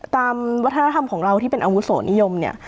ตามวัฒนธรรมของเราที่เป็นอาวุโสนิยมเนี่ย